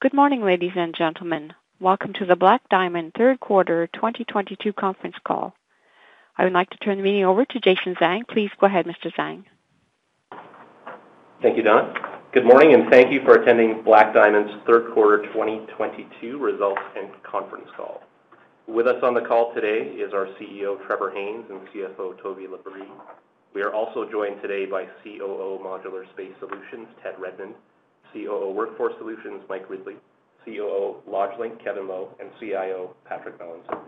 Good morning, ladies and gentlemen. Welcome to the Black Diamond third quarter 2022 conference call. I would like to turn the meeting over to Jason Zhang. Please go ahead, Mr. Zhang. Thank you, Donna. Good morning, and thank you for attending Black Diamond's third quarter 2022 results and conference call. With us on the call today is our CEO, Trevor Haynes, and CFO, Toby LaBrie. We are also joined today by COO, Modular Space Solutions, Ted Redmond, COO, Workforce Solutions, Mike Ridley, COO, LodgeLink, Kevin Lo, and CIO, Patrick Melanson.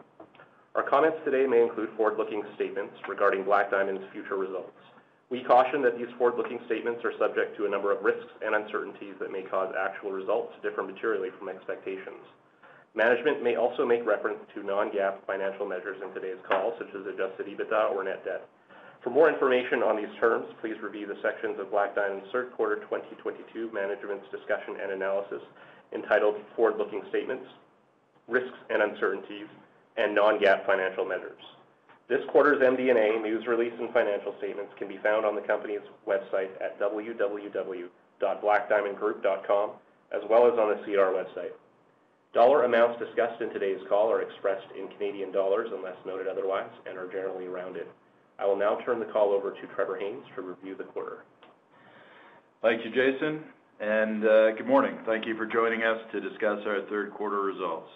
Our comments today may include forward-looking statements regarding Black Diamond's future results. We caution that these forward-looking statements are subject to a number of risks and uncertainties that may cause actual results to differ materially from expectations. Management may also make reference to non-GAAP financial measures in today's call, such as adjusted EBITDA or net debt. For more information on these terms, please review the sections of Black Diamond's third quarter 2022 Management's Discussion and Analysis entitled Forward-Looking Statements, Risks and Uncertainties and Non-GAAP Financial Measures. This quarter's MD&A news release and financial statements can be found on the company's website at www.blackdiamondgroup.com as well as on the SEDAR website. Dollar amounts discussed in today's call are expressed in Canadian dollars unless noted otherwise and are generally rounded. I will now turn the call over to Trevor Haynes to review the quarter. Thank you, Jason, and good morning. Thank you for joining us to discuss our third quarter results.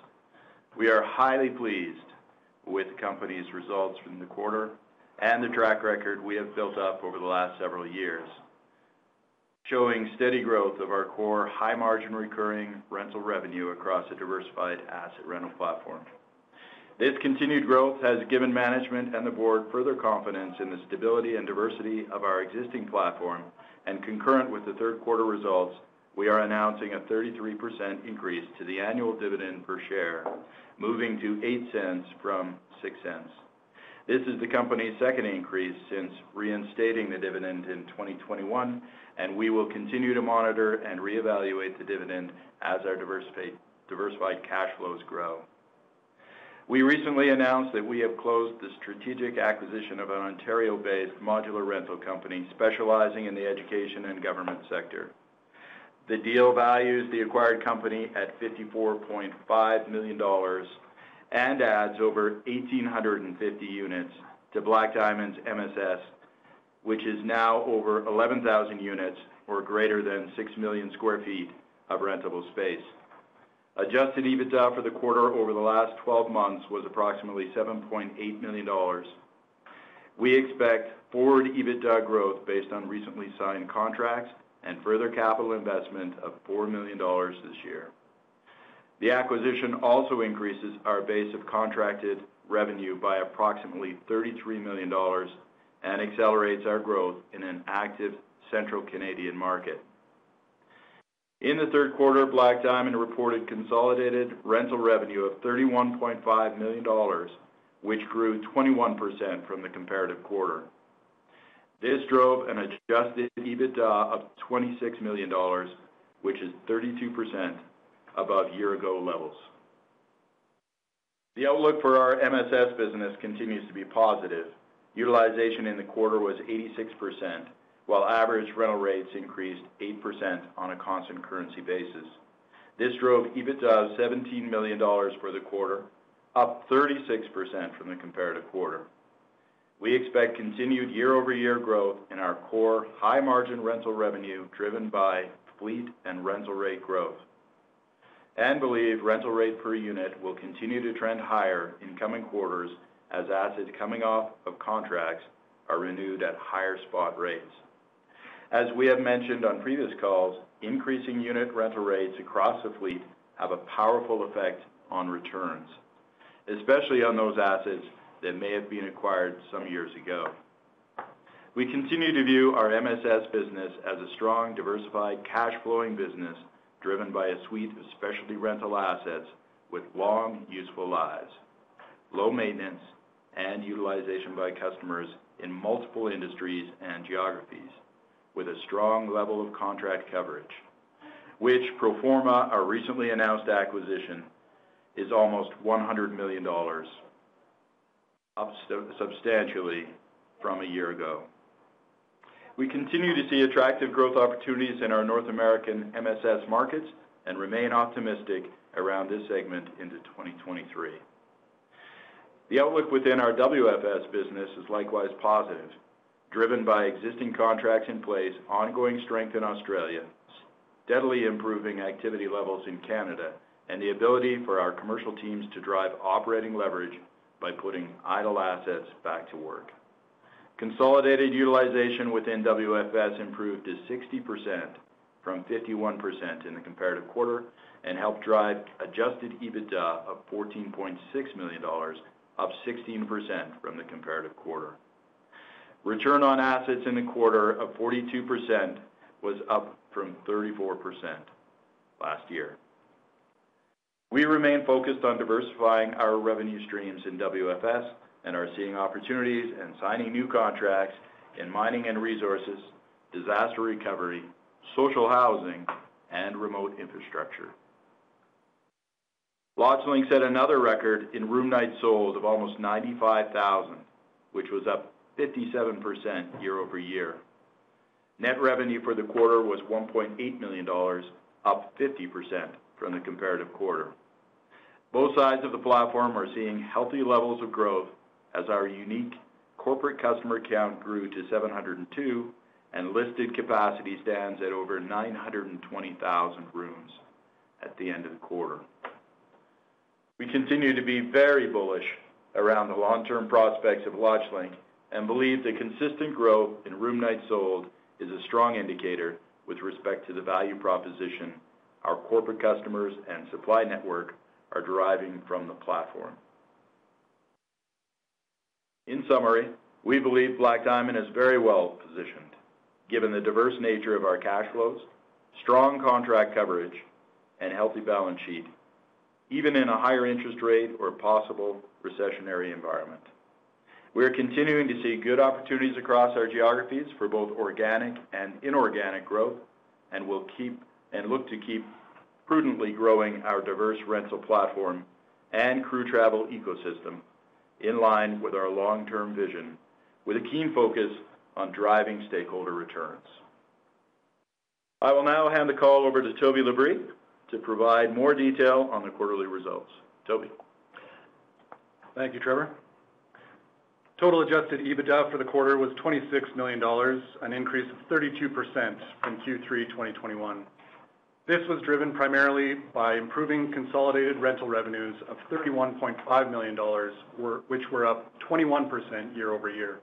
We are highly pleased with the company's results from the quarter and the track record we have built up over the last several years, showing steady growth of our core high-margin recurring rental revenue across a diversified asset rental platform. This continued growth has given management and the board further confidence in the stability and diversity of our existing platform and concurrent with the third quarter results, we are announcing a 33% increase to the annual dividend per share, moving to 0.08 from 0.06. This is the company's second increase since reinstating the dividend in 2021, and we will continue to monitor and reevaluate the dividend as our diversified cash flows grow. We recently announced that we have closed the strategic acquisition of an Ontario-based modular rental company specializing in the education and government sector. The deal values the acquired company at 54.5 million dollars and adds over 1,850 units to Black Diamond's MSS, which is now over 11,000 units or greater than 6 million sq ft of rentable space. Adjusted EBITDA for the quarter over the last twelve months was approximately 7.8 million dollars. We expect forward EBITDA growth based on recently signed contracts and further capital investment of 4 million dollars this year. The acquisition also increases our base of contracted revenue by approximately 33 million dollars and accelerates our growth in an active central Canadian market. In the third quarter, Black Diamond reported consolidated rental revenue of 31.5 million dollars, which grew 21% from the comparative quarter. This drove an adjusted EBITDA of 26 million dollars, which is 32% above year-ago levels. The outlook for our MSS business continues to be positive. Utilization in the quarter was 86%, while average rental rates increased 8% on a constant currency basis. This drove EBITDA 17 million dollars for the quarter, up 36% from the comparative quarter. We expect continued year-over-year growth in our core high-margin rental revenue driven by fleet and rental rate growth, and believe rental rate per unit will continue to trend higher in coming quarters as assets coming off of contracts are renewed at higher spot rates. As we have mentioned on previous calls, increasing unit rental rates across the fleet have a powerful effect on returns, especially on those assets that may have been acquired some years ago. We continue to view our MSS business as a strong, diversified, cash-flowing business driven by a suite of specialty rental assets with long useful lives, low maintenance and utilization by customers in multiple industries and geographies with a strong level of contract coverage, which pro forma our recently announced acquisition is almost 100 million dollars, up substantially from a year ago. We continue to see attractive growth opportunities in our North American MSS markets and remain optimistic around this segment into 2023. The outlook within our WFS business is likewise positive, driven by existing contracts in place, ongoing strength in Australia, steadily improving activity levels in Canada, and the ability for our commercial teams to drive operating leverage by putting idle assets back to work. Consolidated utilization within WFS improved to 60% from 51% in the comparative quarter and helped drive adjusted EBITDA of 14.6 million dollars, up 16% from the comparative quarter. Return on assets in the quarter of 42% was up from 34% last year. We remain focused on diversifying our revenue streams in WFS and are seeing opportunities and signing new contracts in mining and resources, disaster recovery, social housing, and remote infrastructure. LodgeLink set another record in room nights sold of almost 95,000, which was up 57% year-over-year. Net revenue for the quarter was 1.8 million dollars, up 50% from the comparative quarter. Both sides of the platform are seeing healthy levels of growth as our unique corporate customer count grew to 702 and listed capacity stands at over 920,000 rooms at the end of the quarter. We continue to be very bullish around the long-term prospects of LodgeLink and believe the consistent growth in room nights sold is a strong indicator with respect to the value proposition our corporate customers and supply network are deriving from the platform. In summary, we believe Black Diamond is very well positioned given the diverse nature of our cash flows, strong contract coverage and healthy balance sheet, even in a higher interest rate or possible recessionary environment. We are continuing to see good opportunities across our geographies for both organic and inorganic growth, and will look to keep prudently growing our diverse rental platform and crew travel ecosystem in line with our long-term vision with a keen focus on driving stakeholder returns. I will now hand the call over to Toby LaBrie to provide more detail on the quarterly results. Toby. Thank you, Trevor. Total adjusted EBITDA for the quarter was 26 million dollars, an increase of 32% from Q3 2021. This was driven primarily by improving consolidated rental revenues of 31.5 million dollars which were up 21% year-over-year.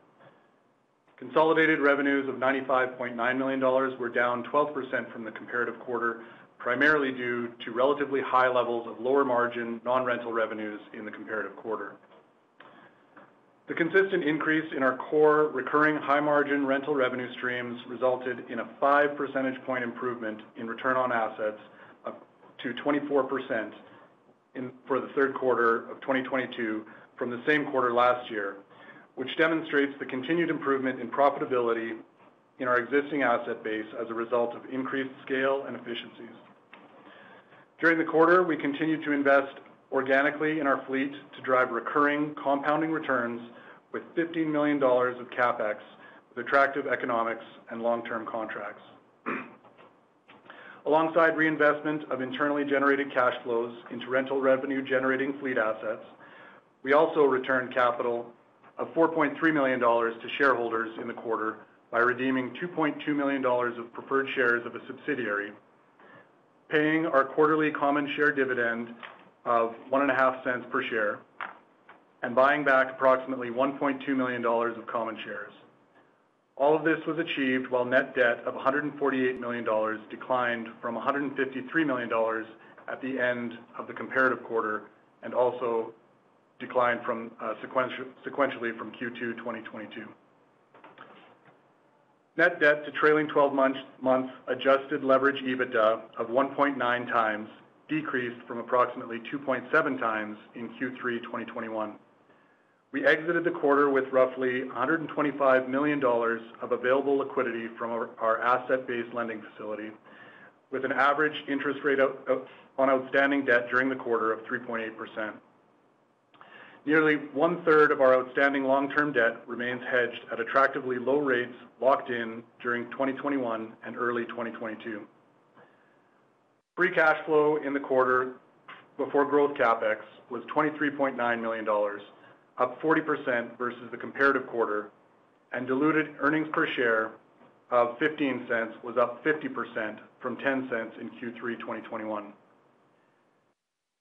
Consolidated revenues of 95.9 million dollars were down 12% from the comparative quarter, primarily due to relatively high levels of lower margin non-rental revenues in the comparative quarter. The consistent increase in our core recurring high-margin rental revenue streams resulted in a 5 percentage point improvement in return on assets up to 24% for the third quarter of 2022 from the same quarter last year, which demonstrates the continued improvement in profitability in our existing asset base as a result of increased scale and efficiencies. During the quarter, we continued to invest organically in our fleet to drive recurring compounding returns with 15 million dollars of CapEx with attractive economics and long-term contracts. Alongside reinvestment of internally generated cash flows into rental revenue generating fleet assets, we also returned capital of 4.3 million dollars to shareholders in the quarter by redeeming 2.2 million dollars of preferred shares of a subsidiary, paying our quarterly common share dividend of 0.015 per share, and buying back approximately 1.2 million dollars of common shares. All of this was achieved while net debt of 148 million dollars declined from 153 million dollars at the end of the comparative quarter and also declined sequentially from Q2 2022. Net debt to trailing twelve months adjusted leverage EBITDA of 1.9x decreased from approximately 2.7x in Q3 2021. We exited the quarter with roughly 125 million dollars of available liquidity from our asset-based lending facility, with an average interest rate out on outstanding debt during the quarter of 3.8%. Nearly one-third of our outstanding long-term debt remains hedged at attractively low rates locked in during 2021 and early 2022. Free cash flow in the quarter before growth CapEx was 23.9 million dollars, up 40% versus the comparative quarter, and diluted earnings per share of 0.15 was up 50% from 0.10 in Q3 2021.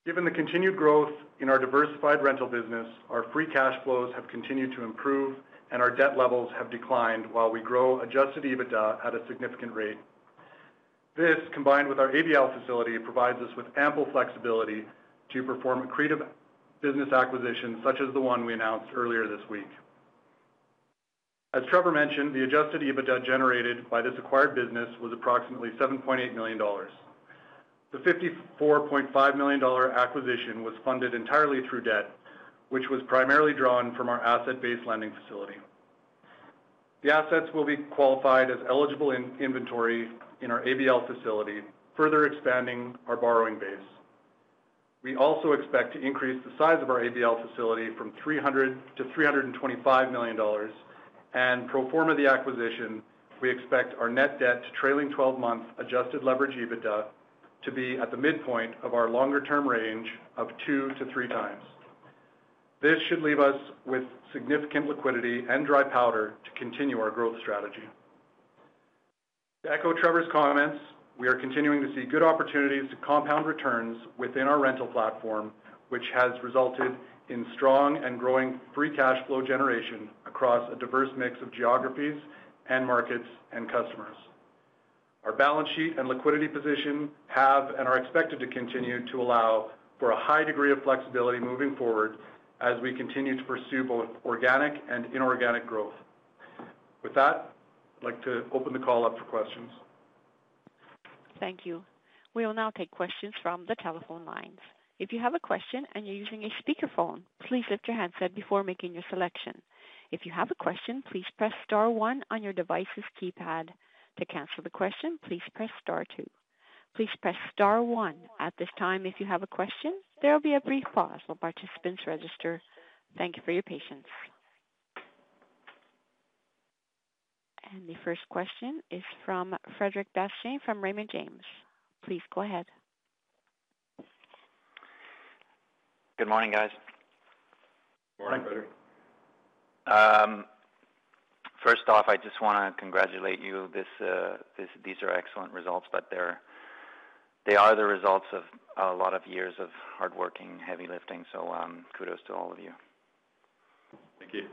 Given the continued growth in our diversified rental business, our free cash flows have continued to improve and our debt levels have declined while we grow adjusted EBITDA at a significant rate. This, combined with our ABL facility, provides us with ample flexibility to perform accretive business acquisitions such as the one we announced earlier this week. As Trevor mentioned, the adjusted EBITDA generated by this acquired business was approximately 7.8 million dollars. The 54.5 million dollar acquisition was funded entirely through debt, which was primarily drawn from our asset-based lending facility. The assets will be qualified as eligible inventory in our ABL facility, further expanding our borrowing base. We also expect to increase the size of our ABL facility from 300 million to 325 million dollars. Pro forma the acquisition, we expect our net debt to trailing twelve-month adjusted leverage EBITDA to be at the midpoint of our longer-term range of 2 to 3x. This should leave us with significant liquidity and dry powder to continue our growth strategy. To echo Trevor's comments, we are continuing to see good opportunities to compound returns within our rental platform, which has resulted in strong and growing free cash flow generation across a diverse mix of geographies and markets and customers. Our balance sheet and liquidity position have and are expected to continue to allow for a high degree of flexibility moving forward as we continue to pursue both organic and inorganic growth. With that, I'd like to open the call up for questions. Thank you. We will now take questions from the telephone lines. If you have a question and you're using a speakerphone, please lift your handset before making your selection. If you have a question, please press star one on your device's keypad. To cancel the question, please press star two. Please press star one at this time if you have a question. There will be a brief pause while participants register. Thank you for your patience. The first question is from Frederic Bastien from Raymond James. Please go ahead. Good morning, guys. Morning, Frederic. First off, I just wanna congratulate you. These are excellent results, but they are the results of a lot of years of hard working, heavy lifting. Kudos to all of you. Thank you.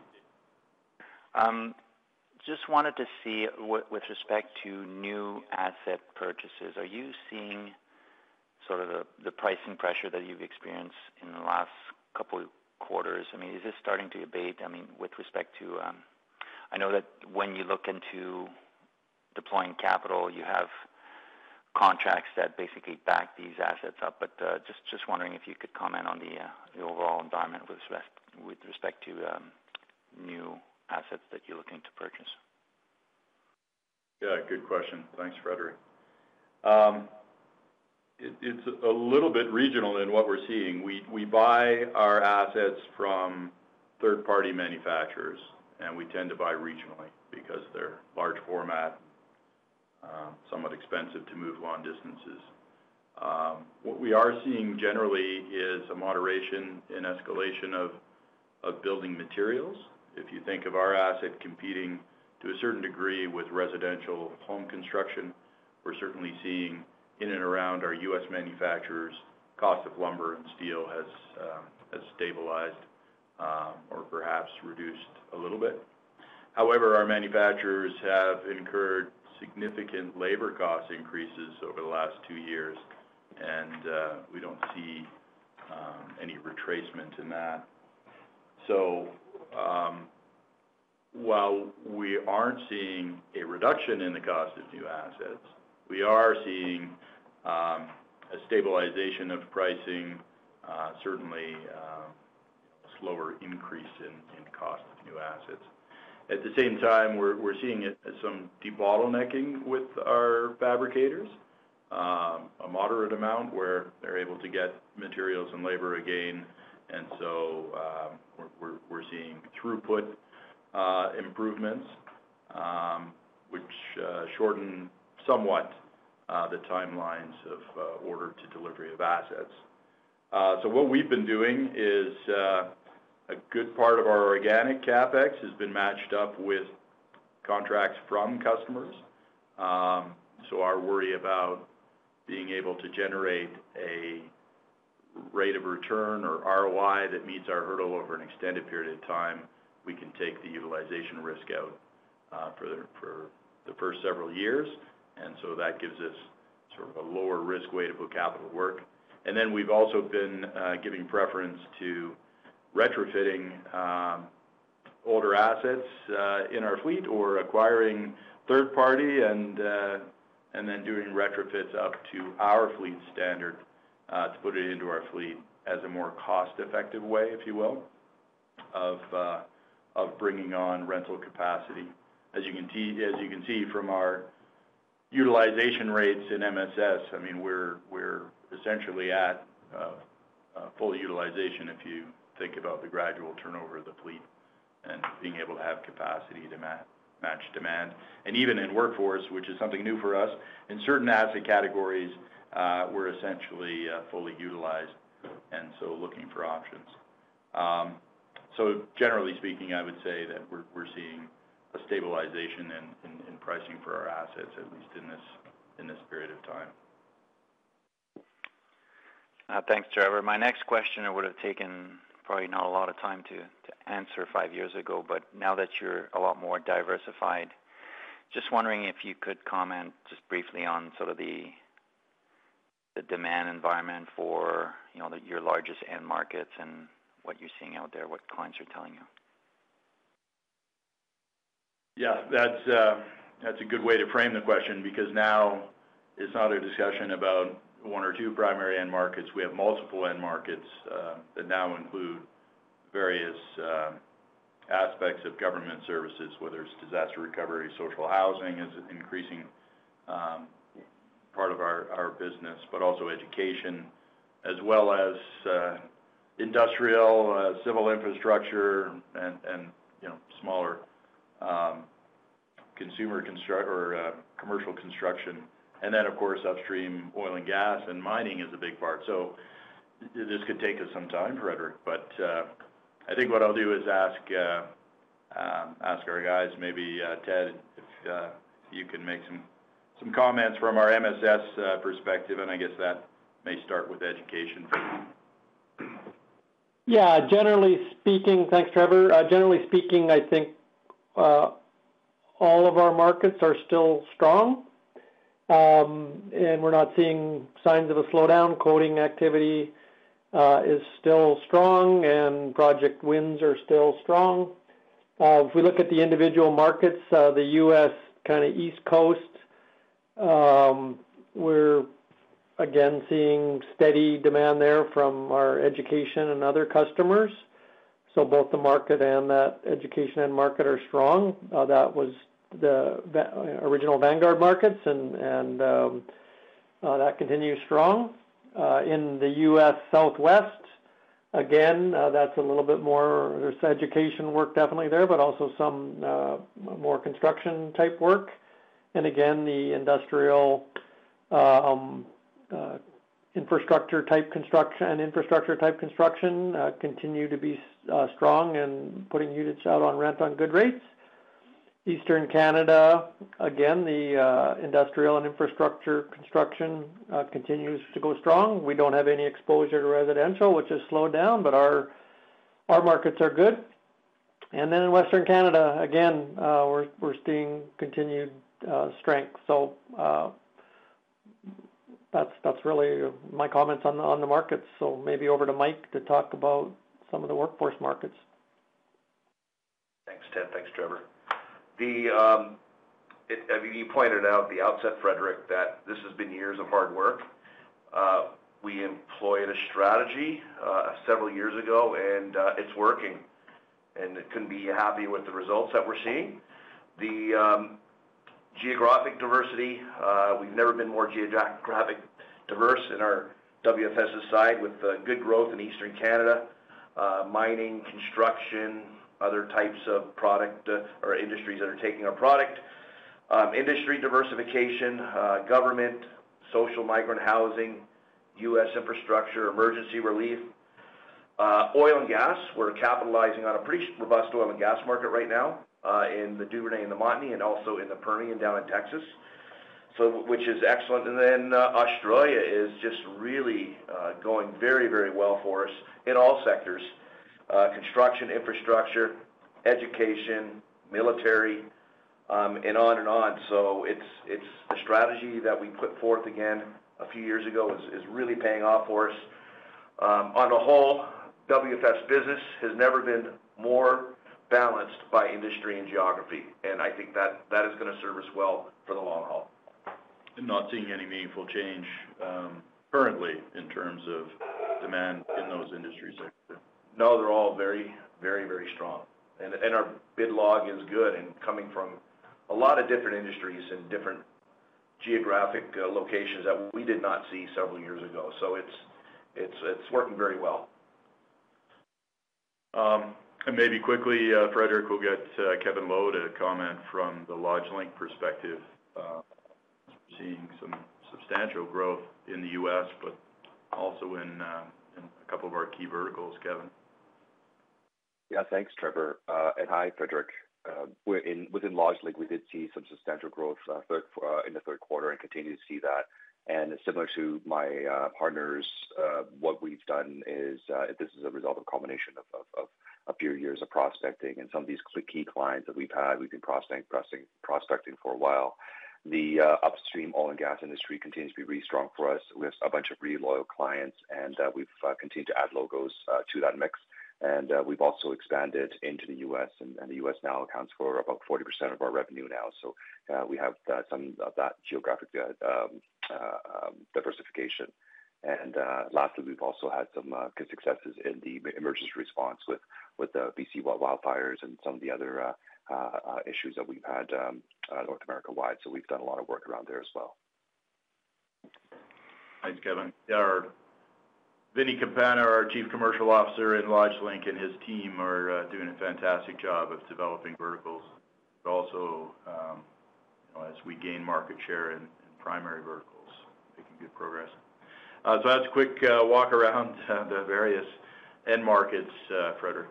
Just wanted to see with respect to new asset purchases, are you seeing sort of the pricing pressure that you've experienced in the last couple quarters? I mean, is this starting to abate? I mean, with respect to, I know that when you look into deploying capital, you have contracts that basically back these assets up, but, just wondering if you could comment on the overall environment with respect to new assets that you're looking to purchase. Yeah, good question. Thanks, Frederic. It's a little bit regional in what we're seeing. We buy our assets from third-party manufacturers, and we tend to buy regionally because they're large format, somewhat expensive to move long distances. What we are seeing generally is a moderation in escalation of building materials. If you think of our asset competing to a certain degree with residential home construction, we're certainly seeing in and around our U.S. manufacturers, cost of lumber and steel has stabilized, or perhaps reduced a little bit. However, our manufacturers have incurred significant labor cost increases over the last two years, and we don't see any retracement in that. While we aren't seeing a reduction in the cost of new assets, we are seeing a stabilization of pricing, certainly slower increase in cost of new assets. At the same time, we're seeing it as some debottlenecking with our fabricators, a moderate amount where they're able to get materials and labor again. We're seeing throughput improvements, which shorten somewhat the timelines of order to delivery of assets. What we've been doing is a good part of our organic CapEx has been matched up with contracts from customers. Our worry about being able to generate a rate of return or ROI that meets our hurdle over an extended period of time. We can take the utilization risk out for the first several years. That gives us sort of a lower risk way to put capital to work. We've also been giving preference to retrofitting older assets in our fleet or acquiring third party and then doing retrofits up to our fleet standard to put it into our fleet as a more cost-effective way, if you will, of bringing on rental capacity. As you can see from our utilization rates in MSS, I mean, we're essentially at full utilization if you think about the gradual turnover of the fleet and being able to have capacity to match demand. Even in Workforce, which is something new for us, in certain asset categories, we're essentially fully utilized, and so looking for options. Generally speaking, I would say that we're seeing a stabilization in pricing for our assets, at least in this period of time. Thanks, Trevor. My next question, it would have taken probably not a lot of time to answer five years ago, but now that you're a lot more diversified, just wondering if you could comment just briefly on sort of the demand environment for, you know, your largest end markets and what you're seeing out there, what clients are telling you. Yeah, that's a good way to frame the question because now it's not a discussion about one or two primary end markets. We have multiple end markets that now include various aspects of government services, whether it's disaster recovery, social housing is an increasing part of our business. Also education as well as industrial, civil infrastructure and, you know, smaller commercial construction. Then, of course, upstream oil and gas and mining is a big part. This could take us some time, Frederic. I think what I'll do is ask our guys, maybe Ted, if you can make some comments from our MSS perspective, and I guess that may start with education for you. Yeah. Generally speaking. Thanks, Trevor. Generally speaking, I think all of our markets are still strong. We're not seeing signs of a slowdown. Quoting activity is still strong and project wins are still strong. If we look at the individual markets, the U.S. kinda East Coast, we're again seeing steady demand there from our education and other customers. Both the market and that education end market are strong. That was the original Vanguard markets. That continues strong in the U.S. Southwest. Again, that's a little bit more. There's education work definitely there, but also some more construction type work. Again, the industrial and infrastructure type construction continues to be strong and putting units out on rent on good rates. Eastern Canada, again, the industrial and infrastructure construction continues to go strong. We don't have any exposure to residential, which has slowed down, but our markets are good. In Western Canada, again, we're seeing continued strength. That's really my comments on the markets. Maybe over to Mike to talk about some of the workforce markets. Thanks, Ted. Thanks, Trevor. As you pointed out at the outset, Frederic, that this has been years of hard work. We employed a strategy several years ago, and it's working, and we couldn't be happier with the results that we're seeing. The geographic diversity, we've never been more geographically diverse in our WFS side with the good growth in Eastern Canada, mining, construction, other types of products or industries that are taking our product. Industry diversification, government, social migrant housing, US infrastructure, emergency relief. Oil and gas, we're capitalizing on a pretty robust oil and gas market right now, in the Duvernay and the Montney and also in the Permian down in Texas. Which is excellent. Australia is just really going very, very well for us in all sectors: construction, infrastructure, education, military, and on and on. It's a strategy that we put forth again a few years ago is really paying off for us. On the whole, WFS business has never been more balanced by industry and geography, and I think that is gonna serve us well for the long haul. Not seeing any meaningful change, currently in terms of demand in those industries? No, they're all very strong. Our bid log is good and coming from a lot of different industries and different geographic locations that we did not see several years ago. It's working very well. Maybe quickly, Frederic, we'll get Kevin Lo a comment from the LodgeLink perspective, seeing some substantial growth in the U.S., but also in a couple of our key verticals. Kevin? Yeah, thanks, Trevor. Hi, Frederic. We're within LodgeLink, we did see some substantial growth in the third quarter and continue to see that. Similar to my partners, what we've done is this is a result of a combination of a few years of prospecting. Some of these key clients that we've had, we've been prospecting for a while. The upstream oil and gas industry continues to be really strong for us. We have a bunch of really loyal clients, and we've continued to add logos to that mix. We've also expanded into the US, and the US now accounts for about 40% of our revenue now. We have some of that geographic diversification. Lastly, we've also had some good successes in the emergency response with the BC wildfires and some of the other issues that we've had North America-wide, so we've done a lot of work around there as well. Thanks, Kevin. Yeah, Vincent Campana, our Chief Commercial Officer in LodgeLink and his team are doing a fantastic job of developing verticals, but also, as we gain market share in primary verticals, making good progress. That's a quick walk around the various end markets, Frederic.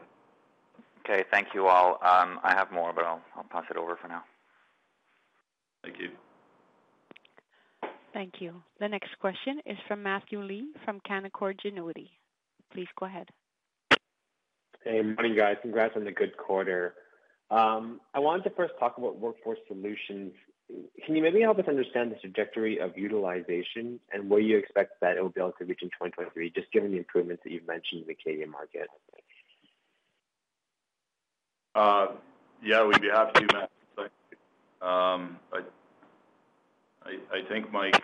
Okay. Thank you all. I have more, but I'll pass it over for now. Thank you. Thank you. The next question is from Matthew Lee from Canaccord Genuity. Please go ahead. Hey. Morning, guys. Congrats on the good quarter. I wanted to first talk about Workforce Solutions. Can you maybe help us understand the trajectory of utilization and where you expect that it will be able to reach in 2023, just given the improvements that you've mentioned in the Canadian market? Yeah, we'd be happy to, Matt. I think, Mike,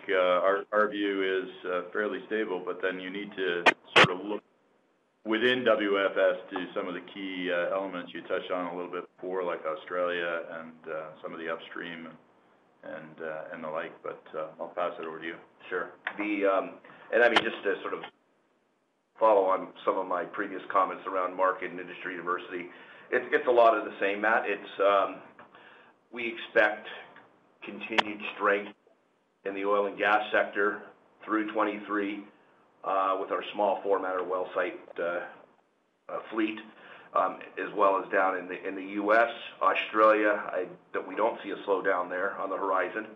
our view is fairly stable, but then you need to sort of look within WFS to some of the key elements you touched on a little bit before, like Australia and some of the upstream and the like. I'll pass it over to you. Sure. I mean, just to sort of follow on some of my previous comments around market and industry diversity, it's a lot of the same, Matt. It's we expect continued strength in the oil and gas sector through 2023, with our small format or well site fleet, as well as down in the US, Australia. That we don't see a slowdown there on the horizon.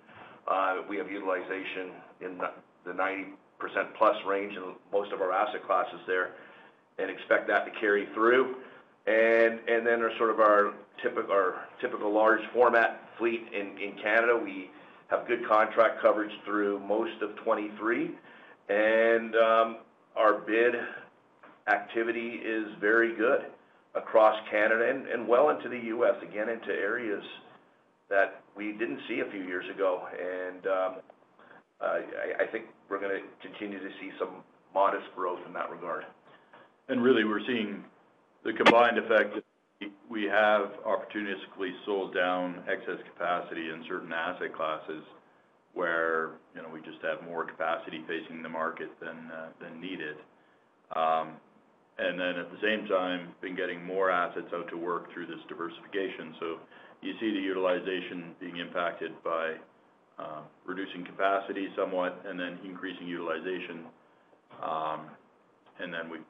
We have utilization in the 90%+ range in most of our asset classes there and expect that to carry through. Then our sort of our typical large format fleet in Canada. We have good contract coverage through most of 2023, and our bid activity is very good across Canada and well into the U.S., and again, into areas that we didn't see a few years ago. I think we're gonna continue to see some modest growth in that regard. Really we're seeing the combined effect that we have opportunistically sold down excess capacity in certain asset classes where, you know, we just have more capacity facing the market than needed. Then at the same time, been getting more assets out to work through this diversification. You see the utilization being impacted by reducing capacity somewhat and then increasing utilization. Then we've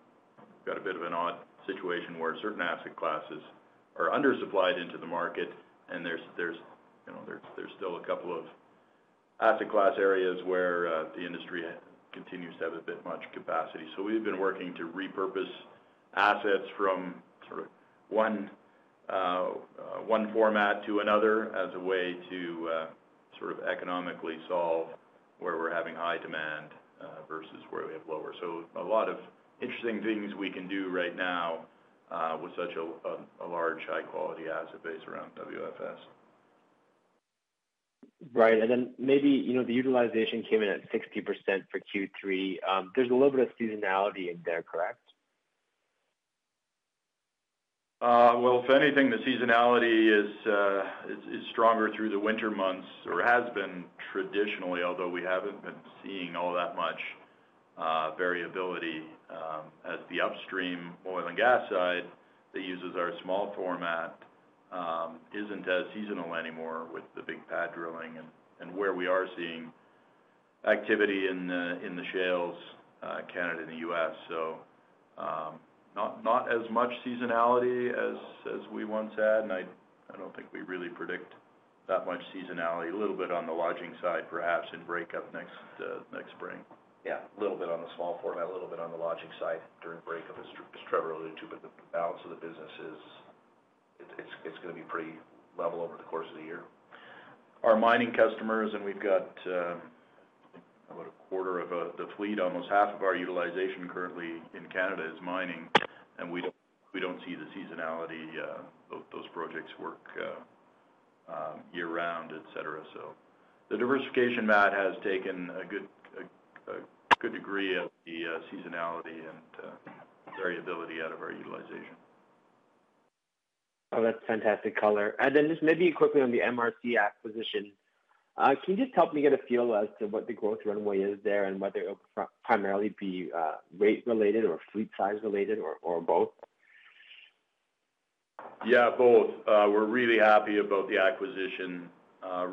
got a bit of an odd situation where certain asset classes are undersupplied into the market, and there's, you know, still a couple of asset class areas where the industry continues to have a bit much capacity. We've been working to repurpose assets from sort of one format to another as a way to sort of economically solve where we're having high demand versus where we have lower. A lot of interesting things we can do right now, with such a large, high quality asset base around WFS. Right. Maybe, you know, the utilization came in at 60% for Q3. There's a little bit of seasonality in there, correct? Well, if anything, the seasonality is stronger through the winter months or has been traditionally, although we haven't been seeing all that much variability as the upstream oil and gas side that uses our small format isn't as seasonal anymore with the big pad drilling and where we are seeing activity in the shales, Canada and the US. Not as much seasonality as we once had. I don't think we really predict that much seasonality. A little bit on the lodging side, perhaps in breakup next spring. Yeah. A little bit on the small format, a little bit on the lodging side during breakup, as Trevor alluded to, but the balance of the business is. It's gonna be pretty level over the course of the year. Our mining customers. We've got about a quarter of the fleet. Almost half of our utilization currently in Canada is mining, and we don't see the seasonality. Those projects work year-round, et cetera. The diversification, Matt, has taken a good degree of the seasonality and variability out of our utilization. Oh, that's fantastic color. Then just maybe quickly on the MRC acquisition, can you just help me get a feel as to what the growth runway is there and whether it'll primarily be rate related or fleet size related or both? Yeah, both. We're really happy about the acquisition.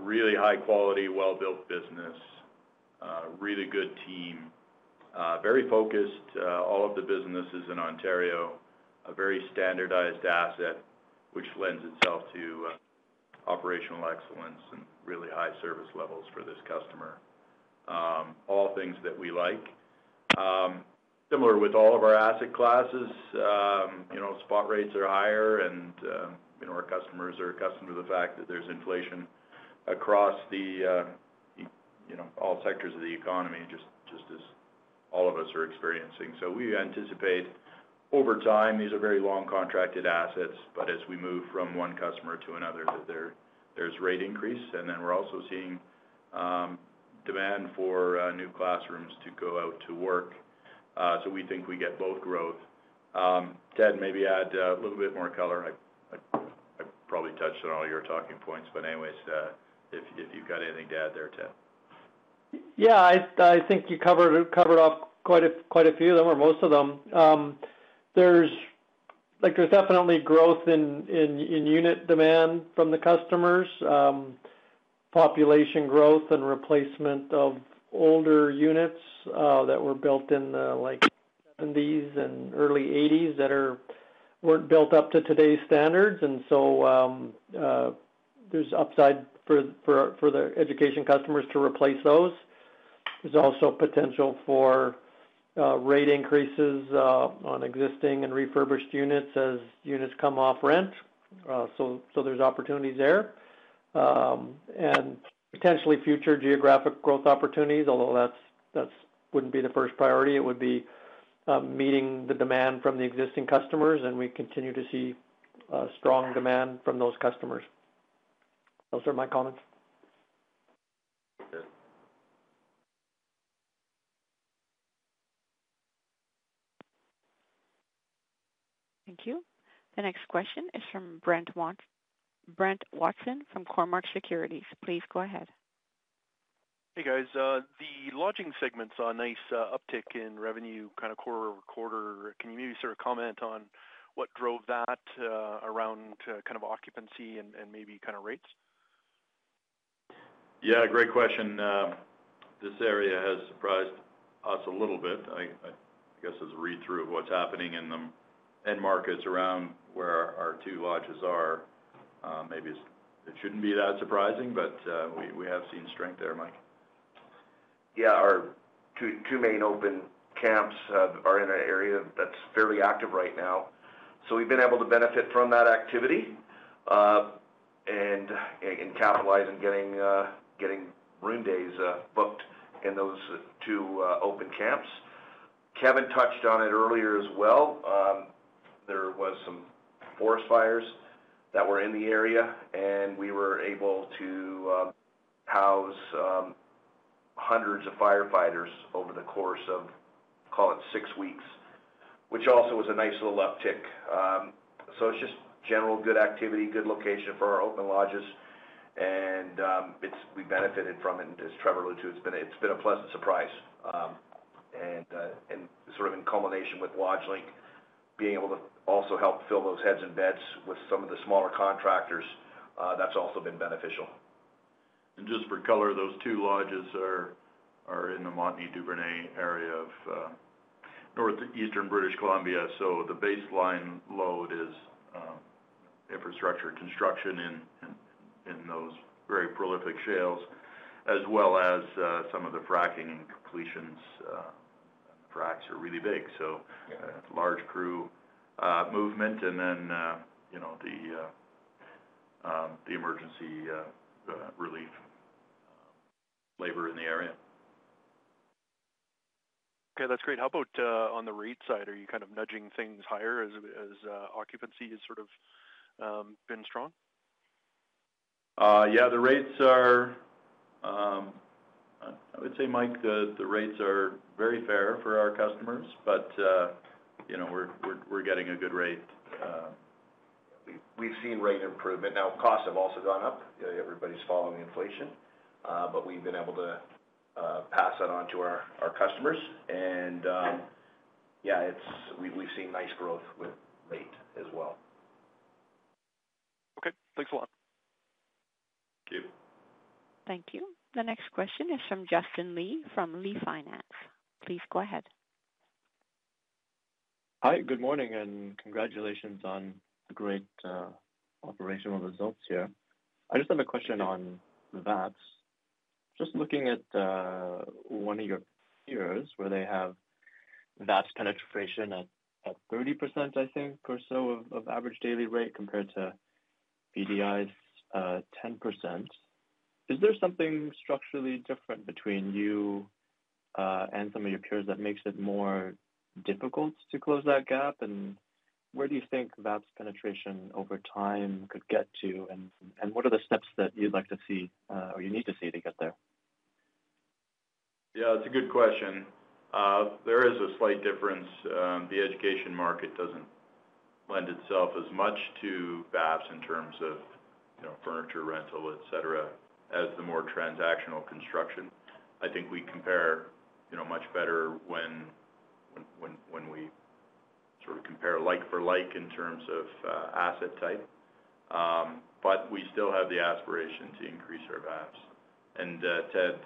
Really high quality, well-built business, really good team, very focused. All of the businesses in Ontario, a very standardized asset which lends itself to operational excellence and really high service levels for this customer. All things that we like. Similar with all of our asset classes, you know, spot rates are higher and, you know, our customers are accustomed to the fact that there's inflation across the, you know, all sectors of the economy just as all of us are experiencing. We anticipate over time, these are very long contracted assets, but as we move from one customer to another, there's rate increase, and then we're also seeing demand for new classrooms to go out to work. We think we get both growth. Ted, maybe add a little bit more color. I probably touched on all your talking points, but anyways, if you've got anything to add there, Ted. Yeah, I think you covered off quite a few of them or most of them. There's definitely growth in unit demand from the customers. Population growth and replacement of older units that were built in like 1970s and early 1980s that weren't built up to today's standards, and there's upside for the education customers to replace those. There's also potential for rate increases on existing and refurbished units as units come off rent. There's opportunities there. Potentially future geographic growth opportunities, although that wouldn't be the first priority. It would be meeting the demand from the existing customers, and we continue to see strong demand from those customers. Those are my comments. Okay. Thank you. The next question is from Brent Watson from Cormark Securities. Please go ahead. Hey, guys. The lodging segment saw a nice uptick in revenue kind of quarter over quarter. Can you maybe sort of comment on what drove that around kind of occupancy and maybe kind of rates? Yeah, great question. This area has surprised us a little bit. I guess, as a read-through of what's happening in the end markets around where our two lodges are, maybe it shouldn't be that surprising, but we have seen strength there. Mike? Yeah. Our two main open camps are in an area that's fairly active right now. We've been able to benefit from that activity and capitalize on getting room days booked in those two open camps. Kevin touched on it earlier as well. Some forest fires that were in the area, and we were able to house hundreds of firefighters over the course of, call it six weeks, which also was a nice little uptick. It's just general good activity, good location for our open lodges, and we benefited from it. As Trevor alluded to, it's been a pleasant surprise. And sort of in culmination with LodgeLink being able to also help fill those heads and beds with some of the smaller contractors, that's also been beneficial. Just for color, those two lodges are in the Montney/Duvernay area of northeastern British Columbia. The baseline load is infrastructure construction in those very prolific shales as well as some of the fracking and completions. Fracs are really big, so Yeah. Large crew movement and then, you know, the emergency relief labor in the area. Okay, that's great. How about on the rate side? Are you kind of nudging things higher as occupancy has sort of been strong? Yeah. I would say, Mike, the rates are very fair for our customers, but you know, we're getting a good rate. We've seen rate improvement. Now, costs have also gone up. Everybody's following inflation, but we've been able to pass that on to our customers. Yeah, we've seen nice growth with rate as well. Okay. Thanks a lot. Thank you. Thank you. The next question is from Justin Lee from Legends Finance. Please go ahead. Hi, good morning, and congratulations on the great operational results here. I just have a question on VAPS. Just looking at one of your peers where they have VAPS penetration at 30%, I think, or so of average daily rate compared to BDI's 10%. Is there something structurally different between you and some of your peers that makes it more difficult to close that gap? Where do you think VAPS penetration over time could get to? What are the steps that you'd like to see or you need to see to get there? Yeah, it's a good question. There is a slight difference. The education market doesn't lend itself as much to VAPS in terms of, you know, furniture rental, et cetera, as the more transactional construction. I think we compare, you know, much better when we sort of compare like for like in terms of asset type. We still have the aspiration to increase our VAPS. Ted,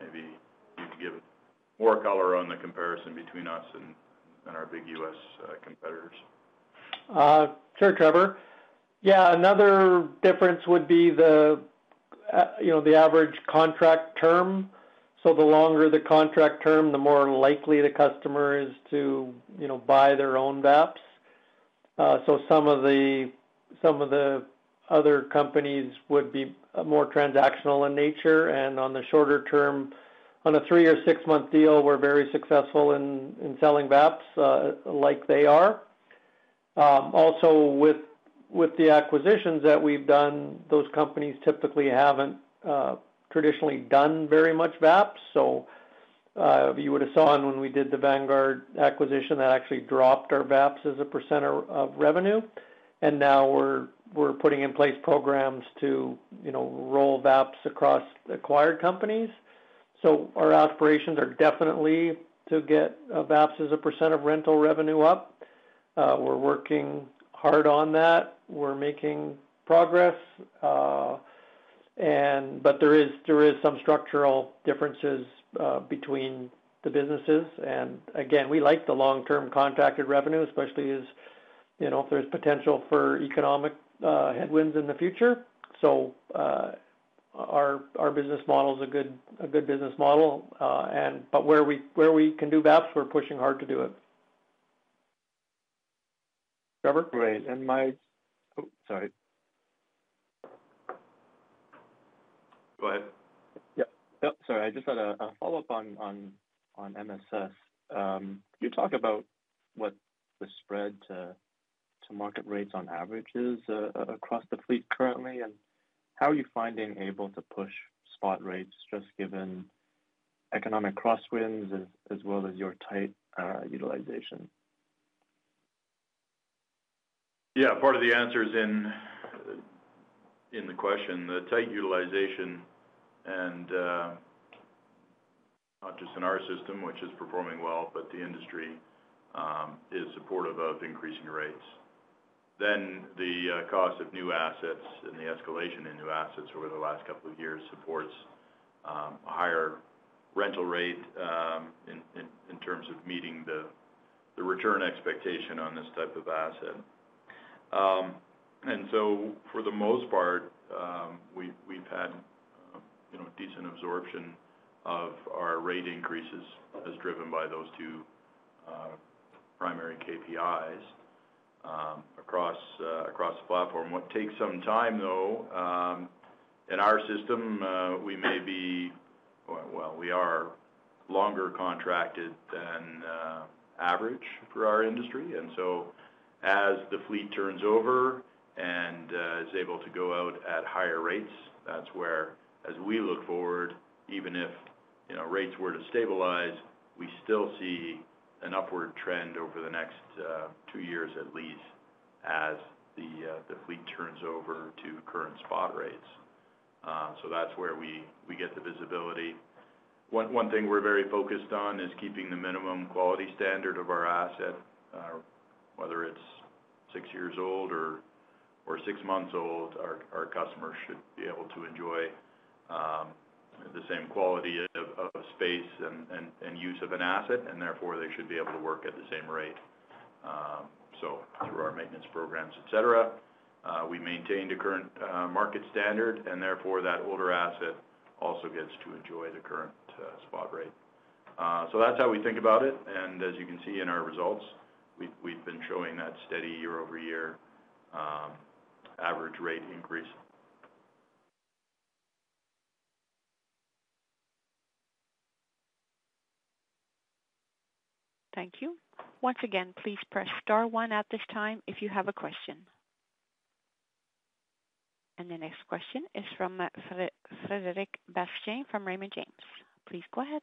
maybe you could give more color on the comparison between us and our big U.S. competitors. Sure, Trevor. Yeah, another difference would be you know the average contract term. The longer the contract term, the more likely the customer is to you know buy their own VAPS. Some of the other companies would be more transactional in nature and on the shorter term. On a three- or six-month deal, we're very successful in selling VAPS like they are. Also with the acquisitions that we've done, those companies typically haven't traditionally done very much VAPS. You would have saw on when we did the Vanguard acquisition, that actually dropped our VAPS as a percent of revenue. Now we're putting in place programs to you know roll VAPS across acquired companies. Our aspirations are definitely to get VAPS as a percent of rental revenue up. We're working hard on that. We're making progress. But there is some structural differences between the businesses. Again, we like the long-term contracted revenue, especially as, you know, if there's potential for economic headwinds in the future. Our business model is a good business model. But where we can do VAPS, we're pushing hard to do it. Trevor? Great. Oh, sorry. Go ahead. Yeah. Yep, sorry. I just had a follow-up on MSS. Can you talk about what the spread to market rates on average is across the fleet currently, and how are you able to push spot rates just given economic crosswinds as well as your tight utilization? Yeah. Part of the answer is in the question. The tight utilization and not just in our system, which is performing well, but the industry is supportive of increasing rates. The cost of new assets and the escalation in new assets over the last couple of years supports a higher rental rate in terms of meeting the return expectation on this type of asset. For the most part, we have had you know decent absorption of our rate increases as driven by those two primary KPIs across the platform. What takes some time, though. In our system, we are longer contracted than average for our industry. As the fleet turns over and is able to go out at higher rates, that's where, as we look forward, even if, you know, rates were to stabilize, we still see an upward trend over the next two years, at least as the fleet turns over to current spot rates. That's where we get the visibility. One thing we're very focused on is keeping the minimum quality standard of our asset, whether it's six years old or six months old, our customers should be able to enjoy the same quality of space and use of an asset, and therefore they should be able to work at the same rate. Through our maintenance programs, et cetera, we maintain the current market standard, and therefore that older asset also gets to enjoy the current spot rate. That's how we think about it. As you can see in our results, we've been showing that steady year-over-year average rate increase. Thank you. Once again, please press star one at this time if you have a question. The next question is from Frederic Bastien from Raymond James. Please go ahead.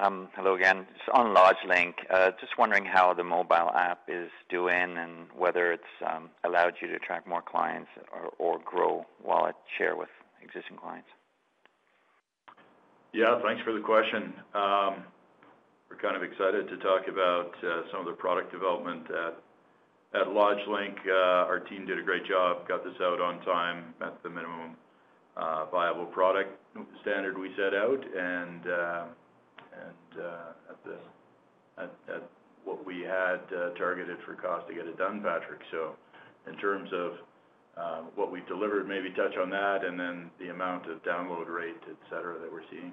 Hello again. On LodgeLink, just wondering how the mobile app is doing and whether it's allowed you to attract more clients or grow wallet share with existing clients. Yeah. Thanks for the question. We're kind of excited to talk about some of the product development at LodgeLink. Our team did a great job, got this out on time at the minimum viable product standard we set out and at what we had targeted for cost to get it done, Patrick. In terms of what we delivered, maybe touch on that and then the amount of download rate, et cetera, that we're seeing.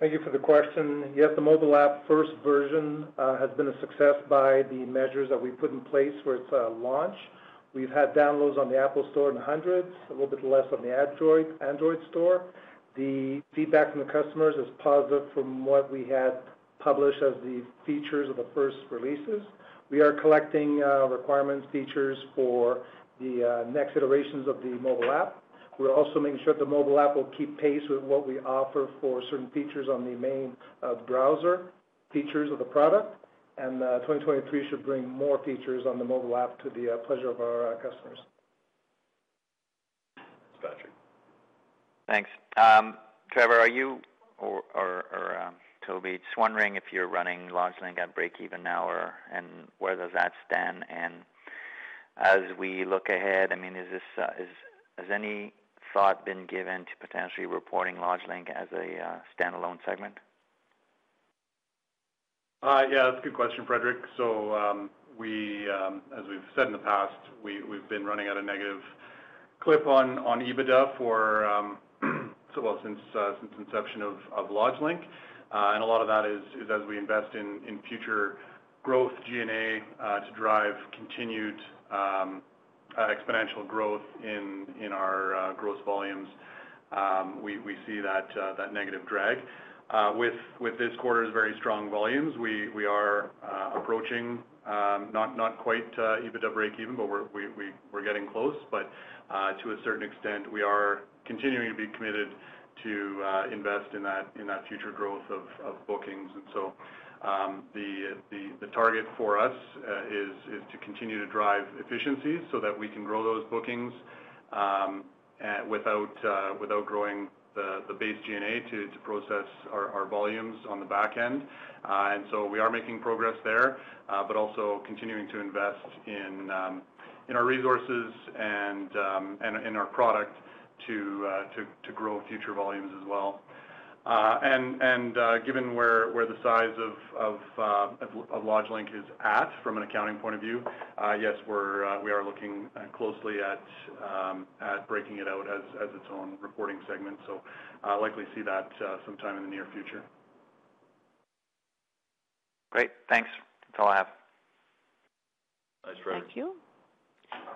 Thank you for the question. Yes, the mobile app first version has been a success by the measures that we put in place for its launch. We've had downloads on the App Store in the hundreds, a little bit less on the Android store. The feedback from the customers is positive from what we had published as the features of the first releases. We are collecting requirements, features for the next iterations of the mobile app. We're also making sure the mobile app will keep pace with what we offer for certain features on the main browser features of the product. 2023 should bring more features on the mobile app to the pleasure of our customers. It's Patrick. Thanks. Trevor, are you or Toby just wondering if you're running LodgeLink at breakeven now or where does that stand? As we look ahead, I mean, has any thought been given to potentially reporting LodgeLink as a standalone segment? Yeah, that's a good question, Frederic. We, as we've said in the past, we've been running at a negative clip on EBITDA for so long since inception of LodgeLink. A lot of that is as we invest in future growth G&A to drive continued exponential growth in our gross volumes, we see that negative drag. With this quarter's very strong volumes, we are approaching not quite EBITDA breakeven, but we're getting close. To a certain extent, we are continuing to be committed to invest in that future growth of bookings. The target for us is to continue to drive efficiencies so that we can grow those bookings without growing the base G&A to process our volumes on the back end. We are making progress there, but also continuing to invest in our resources and in our product to grow future volumes as well. Given where the size of LodgeLink is at from an accounting point of view, yes, we are looking closely at breaking it out as its own reporting segment. Likely see that sometime in the near future. Great. Thanks. That's all I have. Thanks, Frederic. Thank you.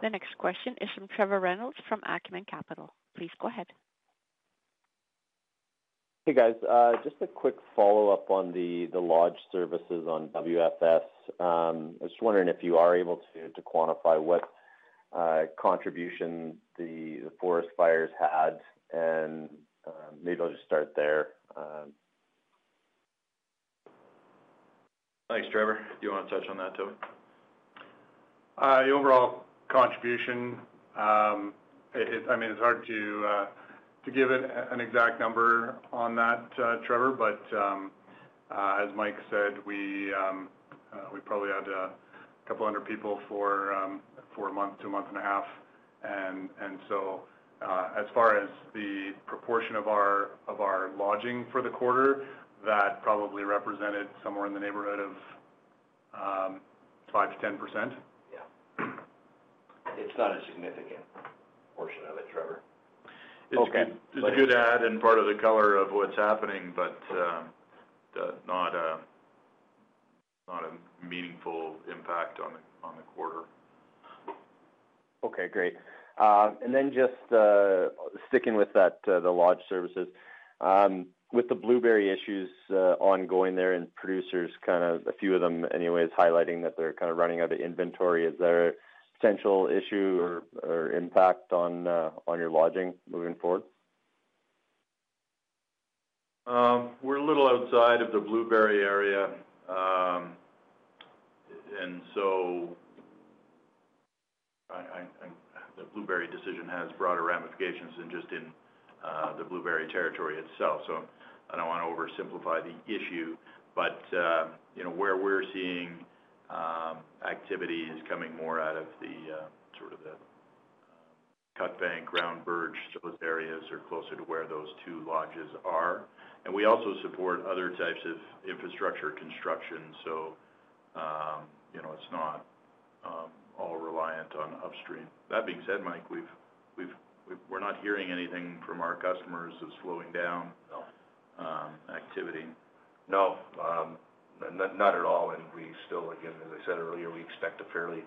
The next question is from Trevor Reynolds from Acumen Capital. Please go ahead. Hey, guys. Just a quick follow-up on the lodge services on WFS. I was just wondering if you are able to quantify what contribution the forest fires had, and maybe I'll just start there. Thanks, Trevor. Do you wanna touch on that, Toby? The overall contribution, I mean, it's hard to give an exact number on that, Trevor. As Mike said, we probably had 200 people for a month to a month and a half. As far as the proportion of our lodging for the quarter, that probably represented somewhere in the neighborhood of 5%-10%. Yeah. It's not a significant portion of it, Trevor. Okay. It's a good add and part of the color of what's happening, but not a meaningful impact on the quarter. Okay, great. Just sticking with that, the lodge services. With the Blueberry issues ongoing there and producers kind of a few of them anyways highlighting that they're kind of running out of inventory, is there a potential issue or impact on your lodging moving forward? We're a little outside of the Blueberry area. The Blueberry decision has broader ramifications than just in the Blueberry territory itself. I don't wanna oversimplify the issue, but you know, where we're seeing activity is coming more out of sort of the Cutbank and Groundbirch. Those areas are closer to where those two lodges are. We also support other types of infrastructure construction so you know, it's not all reliant on upstream. That being said, Mike, we're not hearing anything from our customers that's slowing down—no, activity. No, not at all. We still, again, as I said earlier, expect a fairly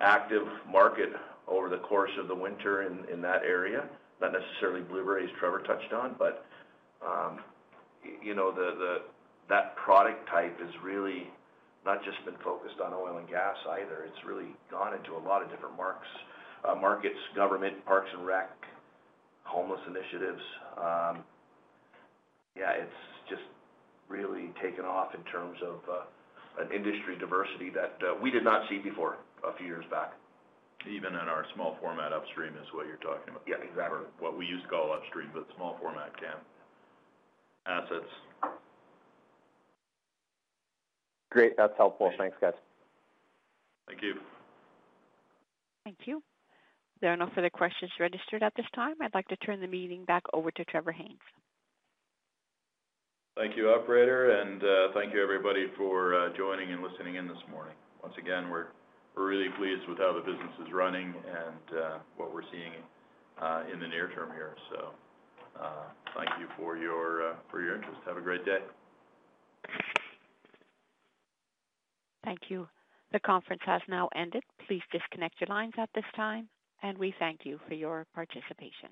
active market over the course of the winter in that area. Not necessarily Blueberry River First Nations Trevor touched on, but that product type has really not just been focused on oil and gas either. It's really gone into a lot of different markets, government, parks and rec, homeless initiatives. It's just really taken off in terms of an industry diversity that we did not see before a few years back. Even in our small format upstream is what you're talking about. Yeah, exactly. What we used to call upstream, but small format camp assets. Great. That's helpful. Thanks, guys. Thank you. Thank you. There are no further questions registered at this time. I'd like to turn the meeting back over to Trevor Haynes. Thank you, operator, and thank you everybody for joining and listening in this morning. Once again, we're really pleased with how the business is running and what we're seeing in the near term here. Thank you for your interest. Have a great day. Thank you. The conference has now ended. Please disconnect your lines at this time, and we thank you for your participation.